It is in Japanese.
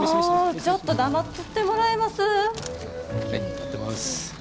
もうちょっと黙っとってもらえます？